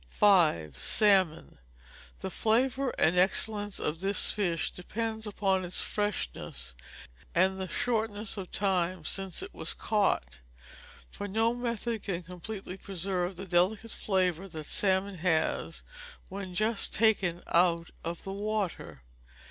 5. Salmon. The flavour and excellence of this fish depend upon its freshness and the shortness of time since it was caught; for no method can completely preserve the delicate flavour that salmon has when just taken out of the water.